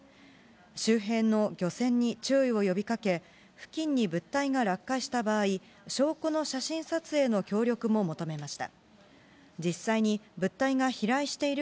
周辺の漁船に注意を呼びかけ、付近に物体が落下した場合、証拠の写真撮影の協力も求めました。